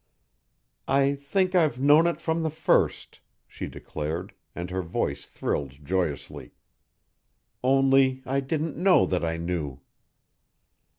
"I think I've known it from the first," she declared, and her voice thrilled joyously. "Only I didn't know that I knew."